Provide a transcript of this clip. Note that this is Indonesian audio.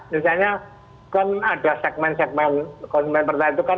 misalnya kan ada segmen segmen konsumen pertahanan itu kan